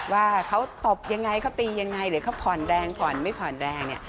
ว่าเขาตบอย่างไรเขาตีอย่างไรหรือเขาผ่อนแรงผ่อนไม่ผ่อนแรง